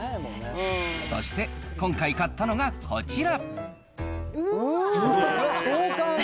そして今回買ったのがこちら。